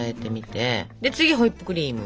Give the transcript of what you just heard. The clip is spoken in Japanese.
で次ホイップクリーム。